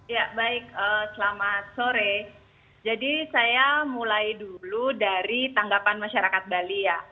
ya baik selamat sore jadi saya mulai dulu dari tanggapan masyarakat bali ya